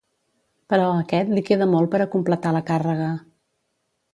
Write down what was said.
Però a aquest li queda molt per a completar la càrrega.